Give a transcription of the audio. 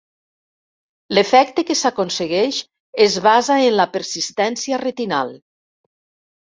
L'efecte que s'aconsegueix es basa en la persistència retinal.